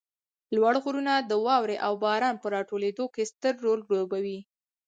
لوړ غرونه د واروې او باران په راټولېدو کې ستر رول لوبوي